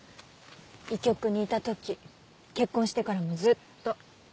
医局にいた時結婚してからもずっと。